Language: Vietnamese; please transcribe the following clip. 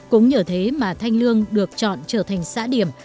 cũng nhờ thế mà thanh lương được chọn trở thành xã điểm